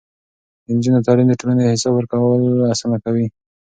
د نجونو تعليم د ټولنې حساب ورکول اسانه کوي.